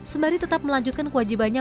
sembari tetap melanjutkan kewajibannya